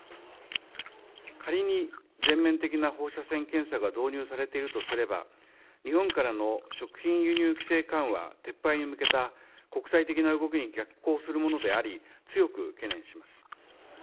仮に全面的な放射線検査が導入されているとすれば、日本からの食品輸入規制緩和撤廃に向けた国際的な動きに逆行するものであり、強く懸念します。